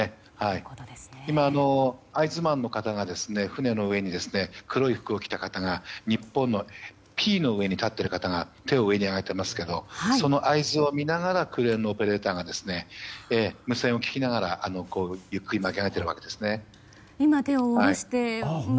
船の上に黒い服を着た方が「Ｐ」の上に立っている方が手を上に上げていますがその合図を見ながらクレーンのオペレーターが無線を聞きながらゆっくり巻き上げているわけです。